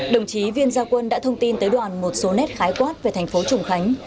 đồng chí viên gia quân đã thông tin tới đoàn một số nét khái quát về thành phố trùng khánh